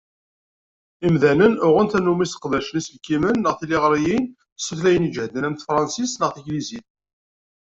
Imdanen, uɣen tannumi sseqdacen iselkimen neɣ tiliɣriyin s tutlayin iǧehden am tefransist neɣ taglizit.